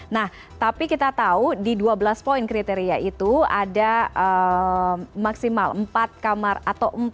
nah tapi kita tahu di dua belas poin kriteria itu ada maksimal empat kamar atau empat